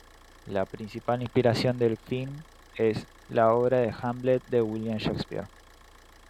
La principal inspiración del film es la obra Hamlet de William Shakespeare.